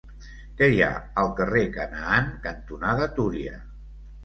Què hi ha al carrer Canaan cantonada Túria?